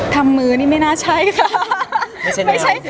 ทำมือนี่ไม่น่าใช่ค่ะ